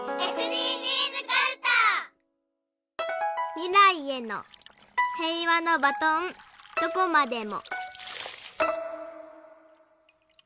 「みらいへの平和のバトンどこまでも」。